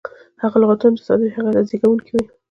هغه لغتونه، چي ساده دي هغه ته زېږوونکی وایي.